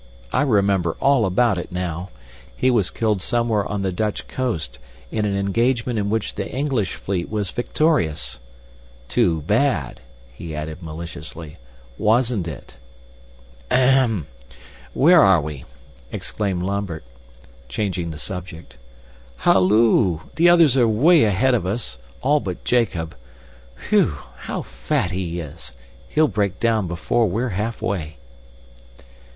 I remember all about it now. He was killed somewhere on the Dutch coast in an engagement in which the English fleet was victorious. Too bad," he added maliciously, "wasn't it?" "Ahem! Where are we?" exclaimed Lambert, changing the subject. "Halloo! The others are way ahead of us all but Jacob. Whew! How fat he is! He'll break down before we're halfway."